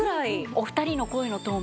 お二人の声のトーンもね